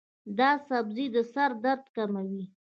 دا سبزی د سر درد کموي.